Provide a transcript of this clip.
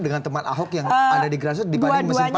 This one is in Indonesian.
dengan teman ahok yang ada di grassroot dibanding mesin partai